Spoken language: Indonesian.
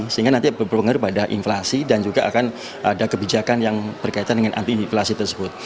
sehingga nanti berpengaruh pada inflasi dan juga akan ada kebijakan yang berkaitan dengan anti inflasi tersebut